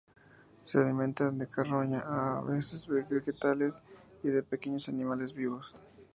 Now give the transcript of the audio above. Se alimentan de carroña, a veces de vegetales y de pequeños animales vivos.